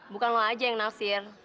bukan lo aja yang nafsir